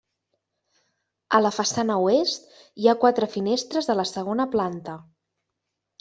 A la façana oest, hi ha quatre finestres a la segona planta.